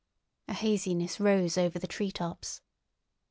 A haziness rose over the treetops.